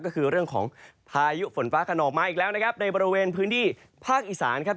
ก็คือเรื่องของพายุฝนฟ้าขนองมาอีกแล้วนะครับในบริเวณพื้นที่ภาคอีสานครับ